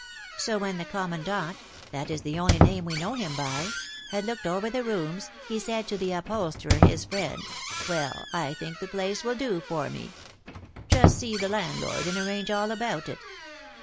So when the commandant (that is the only name we know him by) had looked over the rooms, he said to the upholsterer, his friend, 'Well, I think the place will do for me, just see the landlord, and arrange all about it.'